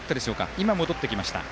今、戻ってきました。